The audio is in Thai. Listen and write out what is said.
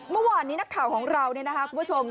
เมื่อวานนี้นักข่าวของเราเนี่ยนะคะคุณผู้ชม